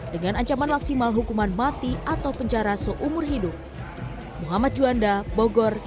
dengan ancaman maksimal hukuman mati atau penjara seumur hidup